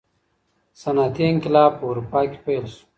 صنعتي انقلاب په اروپا کي پیل سو.